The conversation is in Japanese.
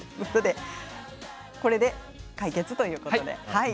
これで解決ということですね。